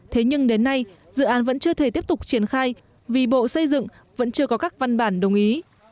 thế nhưng đến nay dự án vẫn chưa thể tiếp tục triển khai vì bộ xây dựng vẫn chưa có các văn bản đồng ý